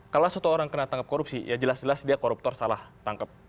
kalau satu orang kena tangkap korupsi ya jelas jelas dia koruptor salah tangkap